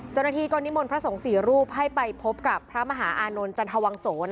เจ้าหน้าที่ก็นิมนต์พระสงฆ์๔รูปให้ไปพบกับพระมหาอานนท์จันทวังโส